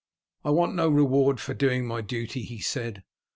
"I want no reward for doing my duty," he said.